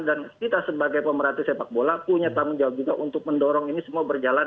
dan kita sebagai pemerintah sepak bola punya tanggung jawab juga untuk mendorong ini semua berjalan